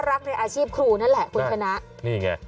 รักในอาชีพหน้านี่ไง